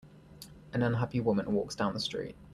An unhappy woman walks down the street.